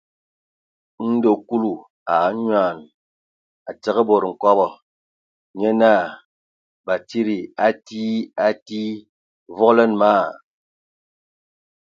Ndɔ Kulu a anyoan, a dzǝgə bod nkobɔ, nye naa Batsidi a tii a tii, vogolanə ma a a.